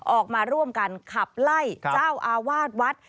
ออกมาร่วมกันขับไล่เจ้าอาวาสวัด